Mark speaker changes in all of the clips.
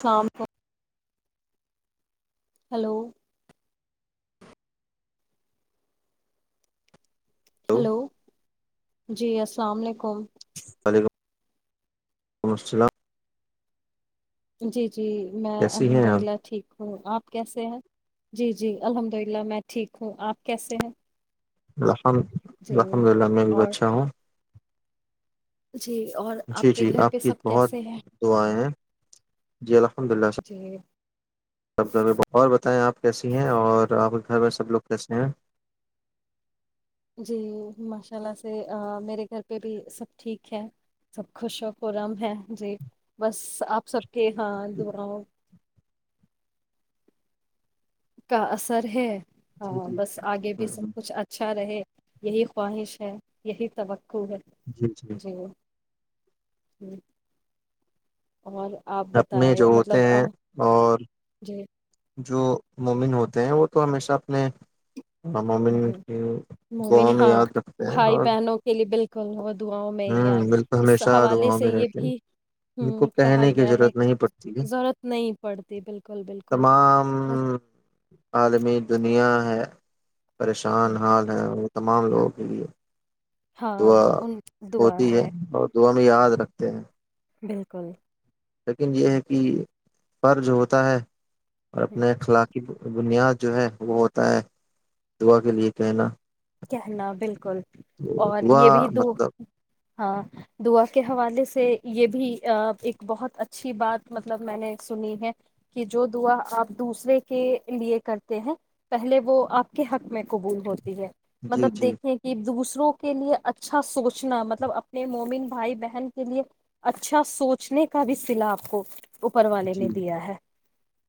Speaker 1: شام کو hello hello [inaudible]
Speaker 2: وعلیکم وعلیکم السلام
Speaker 1: جی جی جی میں
Speaker 2: کیسی
Speaker 1: الحمد
Speaker 2: ہیں
Speaker 1: للہ
Speaker 2: آپ
Speaker 1: ٹھیک ہوں آپ کیسے ہیں جی جی الحمد للہ میں ٹھیک ہوں آپ کیسے ہیں
Speaker 2: [inaudible]
Speaker 1: جی
Speaker 2: الحمد للہ میں بھی
Speaker 1: اور
Speaker 2: بچا ہوں
Speaker 1: جی اور
Speaker 2: جی
Speaker 1: کے
Speaker 2: جی
Speaker 1: گھر
Speaker 2: آپ
Speaker 1: پہ
Speaker 2: کی
Speaker 1: سب
Speaker 2: بہت
Speaker 1: کیسے ہیں
Speaker 2: دعائیں ہیں جی الحمد للہ
Speaker 1: جی
Speaker 2: سب اور بتائیں آپ کیسی ہیں اور آپ کے گھر میں سب لوگ کیسے ہیں
Speaker 1: جی ماشاء اللہ سے میرے گھر پہ بھی سب ٹھیک ہے سب خوش و ق رم ہے جی بس آپ سب کہ ہاں دوراؤ کا اثر ہے
Speaker 2: جی
Speaker 1: ہاں
Speaker 2: جی
Speaker 1: بس آگے بھی سب
Speaker 2: ہوں،
Speaker 1: کچھ اچھا رہے یہی خواہش ہے یہی توقع خ جی [inaudible] اور آپ
Speaker 2: اپنے جو
Speaker 1: بتائیں
Speaker 2: ہوتے
Speaker 1: مطلب
Speaker 2: ہیں اور
Speaker 1: جی
Speaker 2: جو مومن ہوتے ہیں وہ تو ہمیشہ اپنے عمومن
Speaker 1: ہوں،
Speaker 2: کی گع
Speaker 1: مومن
Speaker 2: میں
Speaker 1: ہاں
Speaker 2: یاد رکھتے ہیں
Speaker 1: بھائی
Speaker 2: اور
Speaker 1: بہنوں [inaudible]
Speaker 2: ہوں
Speaker 1: یاد
Speaker 2: بالکل
Speaker 1: اس
Speaker 2: ہمیشہ
Speaker 1: حوالے
Speaker 2: دعاؤں
Speaker 1: سے
Speaker 2: میں
Speaker 1: یہ
Speaker 2: رہتے ہیں
Speaker 1: بھی ہ
Speaker 2: ان کو
Speaker 1: کہا
Speaker 2: کہنے کی
Speaker 1: گیا ہے
Speaker 2: ضرورت نہیں پڑتی ہے
Speaker 1: ضرورت نہیں پڑتی بالکل بالکل
Speaker 2: تمام
Speaker 1: بہت
Speaker 2: عالمی دنیا [inaudible] پریشان حال ہے [inaudible]
Speaker 1: ہاں
Speaker 2: دعا
Speaker 1: ان دعا
Speaker 2: ہوتی ہے اور یاد رکھتے ہیں
Speaker 1: [inaudible]
Speaker 2: لیکن یہ ہے کہ فرض ہوتا ہے [unintelligible] اور اپنے اخلاق بنیاد جو ہے وہ ہوتا ہے دعا کے لیے کہنا
Speaker 1: کہنا بالکل
Speaker 2: تو
Speaker 1: اور
Speaker 2: دعا
Speaker 1: یہ بھی د
Speaker 2: مطلب
Speaker 1: ہاں دعا کے حوالے سے سے یہ بھی ایک بہت اچھی بات مطلب میں نے سنی ہے کہ جو دعا آپ دوسرے کے لیے کرتے ہیں پہلے وہ آپ کے حق میں قبول ہوتی ہے
Speaker 2: جی
Speaker 1: مطلب
Speaker 2: جی
Speaker 1: دیکھیں کہ دوسرا دوروں کے لیے اچھا سوچنا مطلب اپنے مومن بھائی بہن کے لیے اچھا سوچنے کا بھی سلا آپ کو اوپر والے
Speaker 2: جی
Speaker 1: نے دیا ہے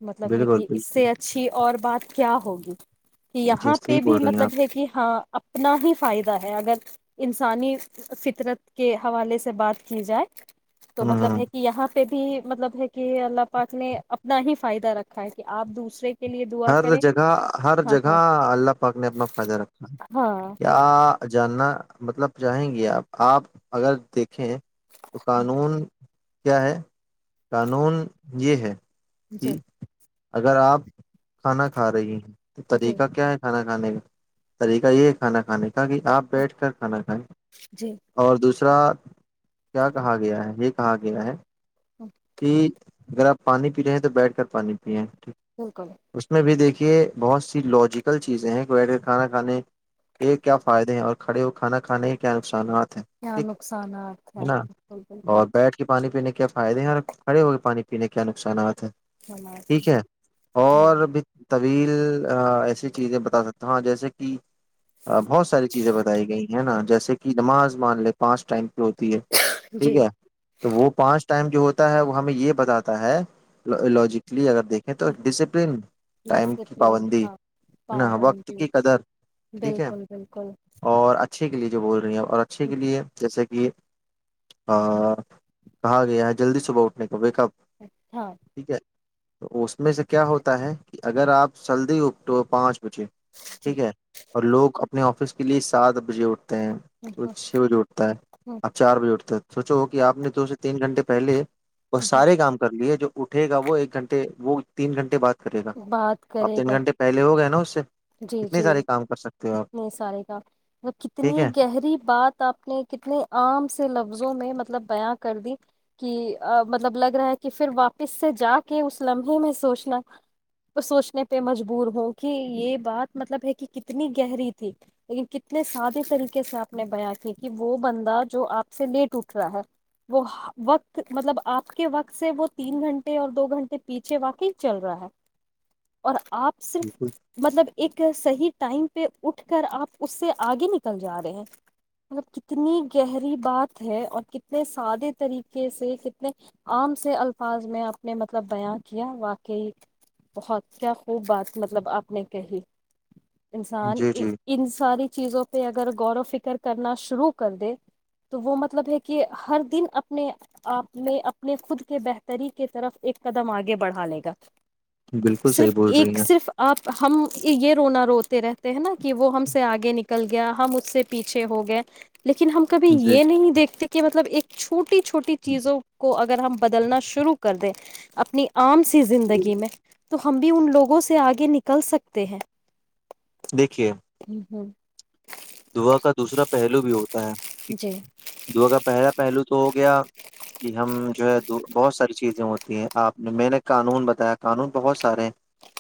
Speaker 1: مطلب ہے
Speaker 2: بالکل
Speaker 1: کہ اس
Speaker 2: بالکل
Speaker 1: سے اچھی اور بات کیا ہوگی کہ
Speaker 2: جی
Speaker 1: یہاں
Speaker 2: صحیح
Speaker 1: پہ
Speaker 2: بول
Speaker 1: بھی
Speaker 2: رہے ہیں
Speaker 1: مطلب
Speaker 2: آپ
Speaker 1: ہے کہ اپنا ہی فائدہ ہے اگر انسانی فطرت کے حوالے سے بات کی جائے تو مطلب
Speaker 2: ہ
Speaker 1: ہے کہ یہاں پہ بھی مطلب ہے کہ اللہ پاک نے اپنا ہی فائدہ رکھا ہے کہ آپ دوسرے کے لیے دعا
Speaker 2: ہر
Speaker 1: کریں
Speaker 2: جگہ ہر
Speaker 1: ہاں ہاں
Speaker 2: جگہ اللہ پاک نے اپنا فائدہ رکھا
Speaker 1: ہاں
Speaker 2: [unintelligible] جاننا مطلب چاہیں گے آپ آپ اگر دیکھیں تو قانون کیا ہے قانون یہ ہے
Speaker 1: جی
Speaker 2: [unintelligible] اگر آپ کھانا کھا رہی ہیں تو
Speaker 1: جی
Speaker 2: طریقہ کیا ہے کھانا کا کھانے کا طریقہ یہ ہے کھانا کھانے کا کہ آپ بیٹھ کر کھانا کھائیں
Speaker 1: جی
Speaker 2: اور دوسرے را کیا کہا گیا ہے یہ کہا گیا ہے کہ اگر آپ پانی پی رہے ہیں تو بیٹھ کر پانی پیے
Speaker 1: بالکل
Speaker 2: اس میں بھی دیکھ یہ بہت سی لاجیکل چیزیں ہیں کہ بیٹھ کے کھانا کھانے کے کیا فائدے ہیں اور کھڑے ہوئے کھانا کھانے کے کیا نقصانات ہیں
Speaker 1: کیا
Speaker 2: ٹھیک
Speaker 1: نقصاناتت ہے بالکل بالکل
Speaker 2: اور بیٹھ کے پانی پینے کے کیا فائے ہیںار کھے ہو گئے پانی پینے کیا نقصانات اچ
Speaker 1: نقصانات
Speaker 2: ٹھیک ہے
Speaker 1: ہیں
Speaker 2: اور بھی طویل ایسی چیزیں بتا سکتا ہوں جیسے کہ بہت ساری چیزیں بتائی گئی ہیں نا جیسے کہ نماز مان ل پانچ ٹائم کی ہوتی ہے ٹھیک
Speaker 1: جی
Speaker 2: ہے تو وہ پانچ ٹم جو ہو ہے وہ ہمیں یہ بتاتا ہے لوجیکلی اگر دیکھیں تو ڈسپلن ٹائم کی
Speaker 1: ڈسپلن
Speaker 2: پابندی
Speaker 1: ہاں
Speaker 2: ہے نا وقت
Speaker 1: پابندی
Speaker 2: کی قدر ٹھیک ہے
Speaker 1: بالکل بالکل
Speaker 2: اور اچھے کے لیے جو بول رہی ہیں اور اچھے کے لیے جیسے کہ ج کہا گیا [inaudible] جلدی صبحٹھ کے تو ب کب
Speaker 1: ہاں
Speaker 2: ٹھیک ہے تو اس میں سے کیا ہوتا ہے کہ اگر آپ سلدی اکٹو پانچ او
Speaker 1: جی
Speaker 2: ٹھیک ہے اور لوگ اپنے آفس کے لیے سات بجے اٹھ تو چھ بجے اٹھتا ہے آپ چار بجے اٹھتے سوچو کہ آپ نے دو سے تین گھنٹے پہلے ب سارے کام کر لیے جو اٹھے گا وہ ایک گھنٹے وہ تین گھنٹے بعد کرے گا
Speaker 1: بات
Speaker 2: اب
Speaker 1: کرے
Speaker 2: تین
Speaker 1: گا
Speaker 2: گھنٹے پہلے ہو گئے نا اس سے
Speaker 1: جی
Speaker 2: کتنے
Speaker 1: جی
Speaker 2: سارے کام کر سکتے ہو آپ
Speaker 1: اتنے سارے کا وہ
Speaker 2: ٹھیک
Speaker 1: کتنی
Speaker 2: ہے
Speaker 1: گہری بات آپ نے کتنے عام سے لفظوں میں مطلب مطلب بیاں کر دی کہ مطلب لگ رہا ہے کہ پھر واپس سے جا کے اس لمحے میں سوچنا سوچنے پہ مجبور ہوں کہ یہ بات مطلب ہے کہ کتنی گہری تھی لیکن کتنے سادے طریقے سے آپ نے بیاں کی کہ وہ بندہ جو آپ سے لیٹ اٹھ رہا ہے وہ وقت مطلب آپ کے وقت سے وہ تین گھنٹے اور دو گھنٹے پیچھے واقی چل رہا ہے اور آپ صرف
Speaker 2: بالکل
Speaker 1: مطلب صحیح ٹائم پہ اٹھ کر آپ اس سے آگے نکل جا رہے ہیں مطلب کتنی گہری بات ہے اور کتنے سادے طریقے سے کتنے عام سے الفاظ میں آپ نے مطلب بیاں کیا واقعی بہت کیا خوب بات مطلب آپ نے کہی انسان
Speaker 2: جی جی
Speaker 1: ان ساری چیزوں پہ اگر غور و فکر کرنا شروع کر دے تو وہ مطلب ہے کہ ہر دن اپنے آپ میں اپنے خود کے بہتری کی طرف ایک قدم آگے بڑھا لے گا
Speaker 2: بالکل صحیح
Speaker 1: صرف
Speaker 2: بول رہی
Speaker 1: ایک
Speaker 2: ہیں
Speaker 1: صرف آپ ہم یہ رونا روتے رہتے ہیں نا کہ وہ ہم سے آگے نکل گیا ہم اس سے پیچھے ہو گئے لیکن ہم کبھی
Speaker 2: جی
Speaker 1: یہ نہیں دیکھتے کہ مطلب ایک چھوٹی چھوٹی چیزوں کو اگر اگر ہم بدلنا شروع کر دیں اپنی عام س زندگی میں تو ہم بھی ان لوگوں سے آگے نکل سکتے تے ہیں
Speaker 2: دیکھیے
Speaker 1: ہوں ہوں
Speaker 2: یک
Speaker 1: جی
Speaker 2: جو کا پہلا پہلو تو گیا کہ ہم جو ہے بہت ساری چیزیں ہوتی ہیں آپ نے میں نے قانون بتایا قانون بہت سارے ہیں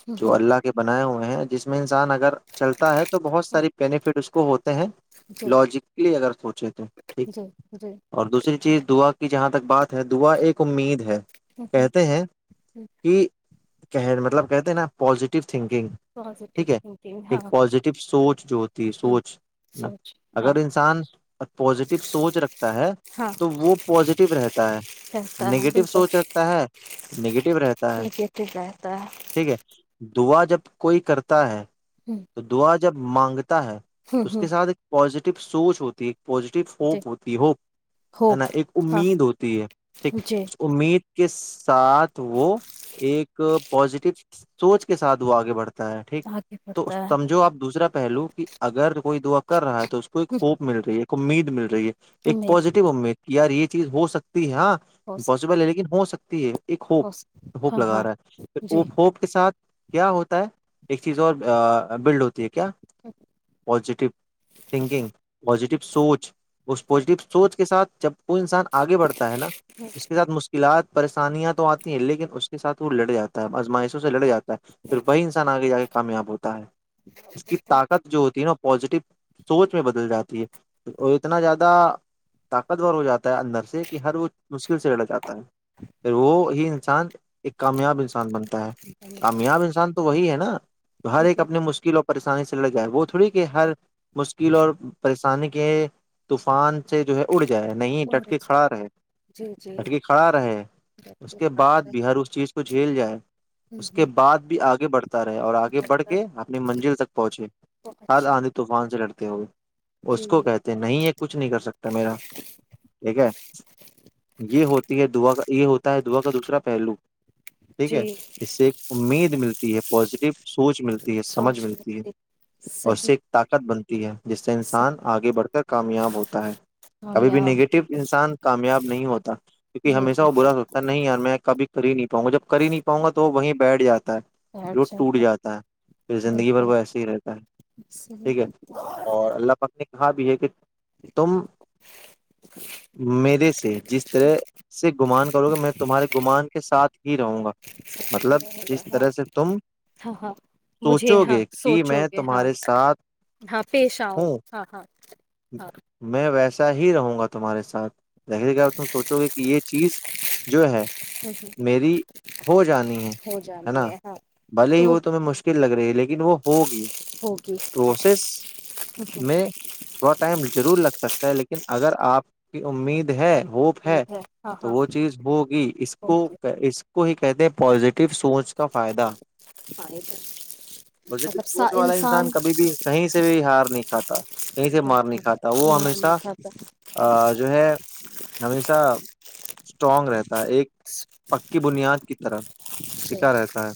Speaker 1: ہوں
Speaker 2: جو
Speaker 1: ہوں
Speaker 2: اللہ کے بنایا ہو ہیں جس میں اگر چلتا ہے تو بہت
Speaker 1: ہوں
Speaker 2: ساری بینفٹ اس کوت ہے
Speaker 1: جی
Speaker 2: لاجکلی اگر سوچے تو ٹھیک
Speaker 1: جی جی
Speaker 2: اور دوسری چیز دعا کی جہاں ک بعات ہے دعا ایک امید ہے
Speaker 1: ہوں ہوں
Speaker 2: کہتے ہیں
Speaker 1: ہوں
Speaker 2: کہ مطلب کہتے ہیں نا پوزیٹیو تھنکنگ
Speaker 1: پازیٹیو
Speaker 2: ٹھیک ہے
Speaker 1: تھنکنگ ہاں
Speaker 2: ایک پزیٹیو سوچ جو ہوتی ہے
Speaker 1: ہ
Speaker 2: سوچ
Speaker 1: سوچ ہاں
Speaker 2: اگر انسان پازیٹو سوچ رکھتا ہے
Speaker 1: ہاں
Speaker 2: تو وہ پازیٹو رہتا ہے
Speaker 1: رہتا ہے
Speaker 2: نگیٹو
Speaker 1: بالکل
Speaker 2: سوچ رکھتا ہے نگیٹو رہتا ہے
Speaker 1: نگیٹو رہتا
Speaker 2: ٹھیک ہے دعا جب کوئی کرتا ہے تو د آ جب مانگتا ہے
Speaker 1: ہ
Speaker 2: اس
Speaker 1: ہ
Speaker 2: کے ساتھ پزیٹی سوچ ہوتی ہے پزیٹو
Speaker 1: جی
Speaker 2: ہوپ ہوتی ہو ہے نا
Speaker 1: ہوپ
Speaker 2: ایک
Speaker 1: ہاں
Speaker 2: امید ہوتی ہے ٹھیک
Speaker 1: جی
Speaker 2: اس امید کے ساتھ وہ ایک پازیٹیو سوچ کے ساتھ وہ آگے بڑھتا ہے ٹھیک
Speaker 1: آگے
Speaker 2: تو
Speaker 1: بڑھتا ہے
Speaker 2: سمجھو آپ دوسرا پہلو کہ اگر کو دعا کر رہا ہے تو اس کو ایک ہوپ مل رہی ہے ایک امید مل رہی ہے ایک
Speaker 1: امید
Speaker 2: پزیٹیو امید یار یہ چیز ہو سکتی
Speaker 1: حوصلہ
Speaker 2: ہاںمپاسبل ہے لیکن ہو سکتا تے ایک ہوپ
Speaker 1: حوصلہ
Speaker 2: ہوپ
Speaker 1: ہاں
Speaker 2: لگا
Speaker 1: ہاں
Speaker 2: رہا ہے پ
Speaker 1: جی
Speaker 2: ا ہوپ کے ساتھ کیا ہوتا ہے ایک چیز اور ا بلڈ ہوتی ہے کیا تھنکگ پزٹیو سوچ اس
Speaker 1: جی
Speaker 2: پازیٹیو سوچ کے ساتھ وہ انسان آگے بڑھتا ہے نا اس کے ساتھ مشکلات پریشانیاں تو آتی ہیں لیکن اس کے ساتھ وہ لڑ جاتا ہے آزمائش لڑا جاتا ہے پھر وہی انسان آگے جا کے کامیاب ہوتا ہے اس کی طاقت جو ہوتی ہے نا پزیٹو سوچ میں بدل جاتی ہے اور اتنا زیادہ طاقتور ہو جاتا اندر سے کہ ہر وہ مشکل سےگااتا پھر وہ ہی انسان ایک کامیاب انسان بنتا کامیاب انسان تو وہی ہے نا تو ہر ایک اپنے مشکلوں پریشانی سے لگا ہے وہ تھوڑی کہ ہر مشکل یل اور پریشانی کے طوفان سے جو ہے اڑے جائے نہیں
Speaker 1: اور
Speaker 2: ڈٹک کھڑا رہے
Speaker 1: جی جی
Speaker 2: ڈٹکی کھڑا رہے اس کے بعد
Speaker 1: ڈاکٹر
Speaker 2: بھی ہر اس چیز کو جھیل جائے اس کے بعد بھی آگے بڑھتا رہے اور آگے بڑھ کے اپنی منزل تک پہنچے ا
Speaker 1: پہنچ
Speaker 2: آ طوفان سے لڑ کیا ہو
Speaker 1: جی
Speaker 2: اس کو کہتے نہیں یہ کچھ نہیں کر سکتا میرا ٹھیک ہے یہ ہوتی ہے دعا کا یہ ہوتا ہے دعا کا دوسرا پہلو ٹھیک
Speaker 1: جی
Speaker 2: ہے اس سے ایک امید ملتی ہے پازیٹیو سوچ ملتی ہے سمجھ
Speaker 1: سوچ
Speaker 2: ملتی ہے
Speaker 1: رہے
Speaker 2: اور اس
Speaker 1: صحیح
Speaker 2: سے ایک طاقت بنتی ہے جس سے انسان
Speaker 1: صحیح
Speaker 2: آگے بڑھ کر کامیاب ہوتا ہے کبھی بھی
Speaker 1: کامیاب
Speaker 2: نگیٹو انسان کامیاب نہیں ہوتا کیونکہ
Speaker 1: نہیں
Speaker 2: ہمیشہ وہ
Speaker 1: ہوتا
Speaker 2: برا سوچتا ہے نہیں یار میں کبھی کر ہی نہیں پاں گا جب کر ہی نہیں پاں گا تو وہیں بییڈیاد پھر وہ ٹوٹ جاتا ہے پھر زندگی بھر
Speaker 1: بالکل
Speaker 2: وہ ایسے ہی رہتا ہے ٹھیک ہے اور اللہ پکنی کہاں بھی ہے کہ تم میرے سے جس طرح
Speaker 1: صحیح
Speaker 2: سے گمان کروں گا میں تمہارے گمان کے ساتھ ہی رہوں گا مطلب
Speaker 1: رہے گا
Speaker 2: جس
Speaker 1: ہاں
Speaker 2: طرح سے تم
Speaker 1: ہاں ہاں مجھے
Speaker 2: سوچو
Speaker 1: ہاں
Speaker 2: گے کہ میں
Speaker 1: سوچو ہاں
Speaker 2: تمہارے ساتھ
Speaker 1: ہاں پیش آؤں
Speaker 2: ہوں
Speaker 1: ہاں ہاں ہاں
Speaker 2: ح ہی رہوں گا تمہارے ساتھ د کہ ا تم سوچو گے کہ یہ چیز جو ہے میری ہو جانی ہے
Speaker 1: ہو
Speaker 2: ہے نا
Speaker 1: جانی ہاں
Speaker 2: بھلے ہی وہ تمہیں مشکل لگ رہی ہے لیکن وہ ہوگی
Speaker 1: ہوگی
Speaker 2: پروسیس
Speaker 1: مجھے
Speaker 2: میں تھوڑا ٹائم ضرور لگ سکتا لیکن اگر آپ کی امید ہے ہوپ ہے
Speaker 1: امید ہاں
Speaker 2: اورتو
Speaker 1: ہاں
Speaker 2: وہ چیز ہوگی اس کو
Speaker 1: ہوگی
Speaker 2: اس کو ہی کہتے ہیں پازیٹو سوچ کا فائدہ
Speaker 1: ہاں یہ تو
Speaker 2: پازیٹیو
Speaker 1: مطلب
Speaker 2: سوچ والا انسان کبھی بھی کہیں سے بھی ہار نہیں نہیں کھا کہیں سے مار نہیں کھاتا وہ ہمیشہ جو ہے ہمیشہ اسٹرانگ رہتا ہے ایک پکی بنیاد کی طرح ٹکھا رہتا ہے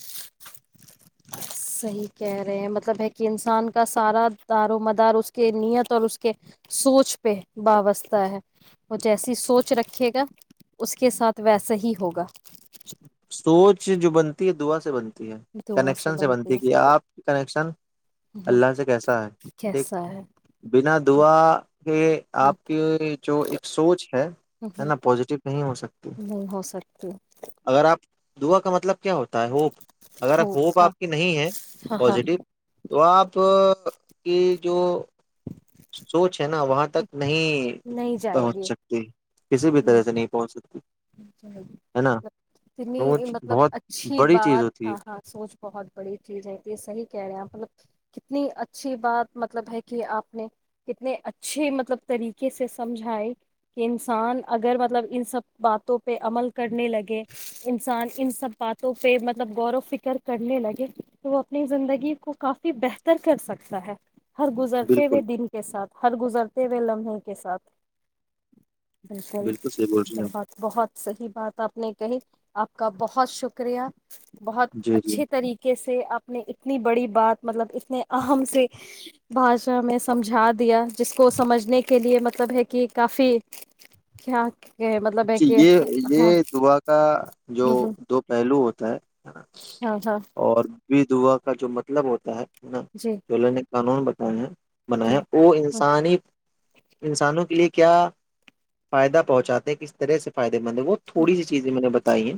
Speaker 1: صحیح کہہ رہے ہیں مطلب ہے کہ انسان کا سارا دار و مدار اس کے نیت اور اس کے سوچ پہ وابستہ ہے وہ جیسی سوچ رکھے گا اس کے ساتھ ویسا ہی ہوگا
Speaker 2: سوچ جو بنتی ہے دعا سے بنتی کنیکشن سے بنتی گ آپ کی کنیکشن
Speaker 1: ہ
Speaker 2: اللہ سے کیسا ہے ٹھیک
Speaker 1: کیسا ہے
Speaker 2: بنا دعا کے
Speaker 1: ہ
Speaker 2: آپ کی جو ایک سوچ ہے ہے
Speaker 1: ہ
Speaker 2: نا پازیٹو نہیں ہو سکتی
Speaker 1: نہیں ہو سکتی
Speaker 2: اگر آپ دعا کا مطلب کیا ہوتا ہے ہوپ اگر
Speaker 1: ہو
Speaker 2: ہوپ
Speaker 1: ہاں
Speaker 2: آپ کی نہیں ہے
Speaker 1: ہاں ہاں
Speaker 2: پزیٹو تو آپ کہ جو سوچ نا وہاں تک نہیں
Speaker 1: نہیں جائے
Speaker 2: پہنچ
Speaker 1: گی
Speaker 2: سکتے کسی بھی طرح سے نہیں پہنچ سکتی ہے نا
Speaker 1: اتنی
Speaker 2: سوچ
Speaker 1: مطلب
Speaker 2: بہت
Speaker 1: اچھی
Speaker 2: بڑی چیز
Speaker 1: بات
Speaker 2: ہوتی
Speaker 1: تھا
Speaker 2: ہے
Speaker 1: ہاں سوچ بہت بڑی چیز ہے انی یح کہہ رہے ہیں مطلب کتنی اچھی بات مطلب ہے کہ آپ نے کتنے اچھے مطلب طریقے سے سمجھائی کہ انسان اگر مطلب ان سب باتوں پہ عمل کرنے لگے انسان ان سب باتوں پہ مطلب غور و فکر کرنے لگے تو وہ اپنی زندگی کو کافی بہتر کر سکتا ہے ہر گزرتے ہوئے
Speaker 2: بالکل
Speaker 1: دن کے ساتھ ہر گزرتے و لمحے کے ساتھ
Speaker 2: بالکل صحیح بول رہی ہیں آپ
Speaker 1: بہت بہت صحیح بات آپ نے کہی آپ کا بہت شکریہ بہت
Speaker 2: آپ جی جی
Speaker 1: اچھے طریقے سے اپنے اتنی بڑی بات مطلب اتنے ام سے بھاشا میں سمجھا دیا جس کو سمجھنے کے کے لیے مطلب ہے کہ کافی کیا کہ مطلب
Speaker 2: جی یہ
Speaker 1: ہاں
Speaker 2: یہ دبا کا جو
Speaker 1: ہ ہ
Speaker 2: دو پہ ہیلو ہوتا ہے
Speaker 1: ہاں ہاں
Speaker 2: اور بھی دعا کا جو مطلب ہوتا ہے نہ
Speaker 1: جی
Speaker 2: چولنے قانون بتائ ہیں
Speaker 1: جی
Speaker 2: بنایا وہ انسانی انسانوں کے لیے کیا فائدہ پہنچاتے کس ے سفائی مند وہ تھوڑی سی چیزیں میں نے بتائی ہیں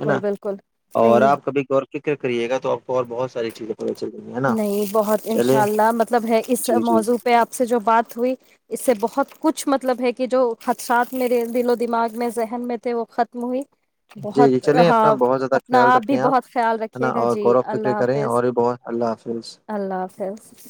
Speaker 2: ہے نا
Speaker 1: بالکل
Speaker 2: اور
Speaker 1: نہیں
Speaker 2: آپ کبھی گور فکر کری گا تو آپ کو اور بہت ساری چیزیں پتہ چل رہی ہیں ہے نا
Speaker 1: نہیں بہت ان
Speaker 2: چلے
Speaker 1: شاء اللہ مطلب ہے اس
Speaker 2: جی جی
Speaker 1: موضوع پہ آپ سے جو بات ہوئی اس سے بہت کچھ کچھ مطلب ہے کہ جو خدشات میرے دل و دماغ میں ذہن میں تھے وہ ختم ہوئی
Speaker 2: جی جی
Speaker 1: بہت
Speaker 2: چلیں
Speaker 1: ہاں
Speaker 2: اپنا بہت زیادہ
Speaker 1: اپنا
Speaker 2: خیال
Speaker 1: آپ بھی
Speaker 2: رکھیں
Speaker 1: بہت خیال
Speaker 2: ہے نا
Speaker 1: رکھیے گا
Speaker 2: اور
Speaker 1: جی
Speaker 2: غور و فکر
Speaker 1: اللہ
Speaker 2: کریں
Speaker 1: حافظ
Speaker 2: اور بھی بہت اللہ حافظ
Speaker 1: اللہ حافظ